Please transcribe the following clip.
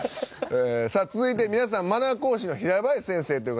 さあ続いて皆さんマナー講師の平林先生という方ご存じですか？